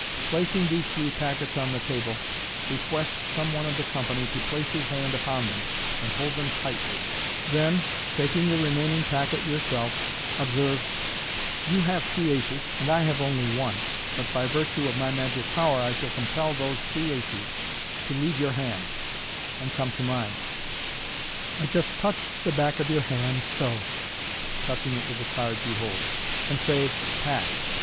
Placing these three packets on the table, request some one of the company to place his hand upon them, and hold them tightly; then, taking the remaining packet yourself, observe. MODERN MAGIC. 93 "You have three aces, and I have only one; but by virtue of my magic power I shall compel those three aces to leave your hand, and come to mine, I just touch the back of your hand, so (touching it with the cards you bold), " and say, * Pass.'